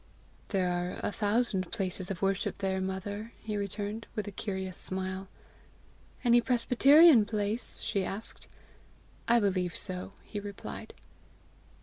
"There are a thousand places of worship there, mother," he returned, with a curious smile. "Any presbyterian place?" she asked. "I believe so," he replied.